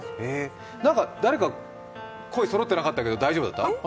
誰か、声そろってなかったけど大丈夫だった？